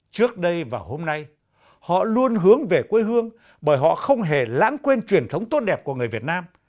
trước đây và hôm nay họ luôn hướng về quê hương bởi họ không hề lãng quên truyền thống tốt đẹp của người việt nam